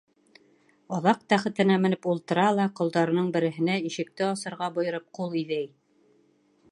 Аҙаҡ тәхетенә менеп ултыра ла ҡолдарының береһенә, ишекте асырға бойороп, ҡул иҙәй.